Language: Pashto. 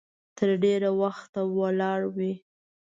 تر ډېره وخته ولاړې وي.